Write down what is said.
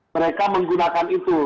mereka menggunakan itu